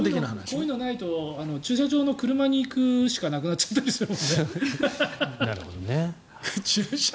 こういうのないと駐車場の車に行くしかなくなっちゃったりするよね。